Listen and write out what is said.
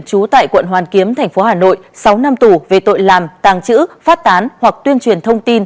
trú tại quận hoàn kiếm tp hà nội sáu năm tù về tội làm tàng chữ phát tán hoặc tuyên truyền thông tin